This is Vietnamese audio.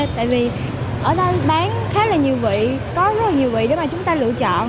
tại vì ở đây bán khá là nhiều vị có rất là nhiều vị để mà chúng ta lựa chọn